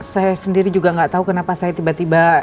saya sendiri juga gak tau kenapa saya tiba tiba